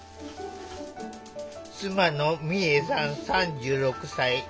妻の美恵さん３６歳。